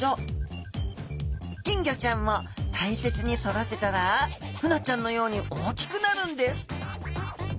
金魚ちゃんも大切に育てたらフナちゃんのように大きくなるんです。